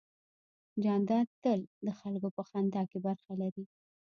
جانداد تل د خلکو په خندا کې برخه لري.